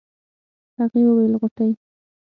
هغې وويل غوټۍ.